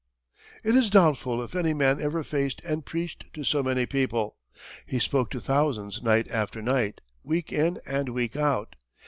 It is doubtful if any man ever faced and preached to so many people. He spoke to thousands night after night, week in and week out.